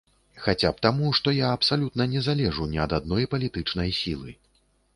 Хаця б таму, што я абсалютна не залежу ні ад адной палітычнай сілы.